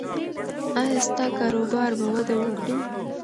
ایا ستا کاروبار به وده وکړي؟